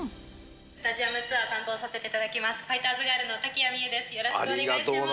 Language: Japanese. スタジアムツアー担当させていただきます、ファイターズガールの滝谷美夢です。